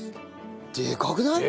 でかくない？